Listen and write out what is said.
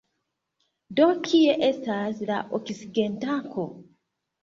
Do, kie estas la oksigentanko?